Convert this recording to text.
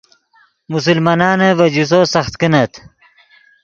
مسلمانانے ڤے جوسو سخت کینت